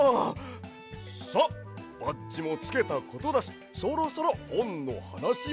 さあバッジもつけたことだしそろそろほんのはなしを。